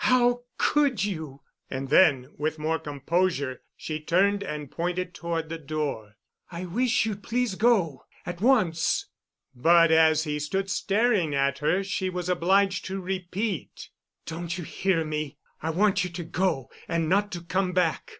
"How could you?" And then, with more composure, she turned and pointed toward the door. "I wish you'd please go—at once." But as he stood staring at her she was obliged to repeat: "Don't you hear me? I want you to go and not to come back.